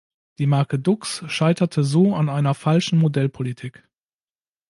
Die Marke Dux scheiterte so an einer falschen Modellpolitik.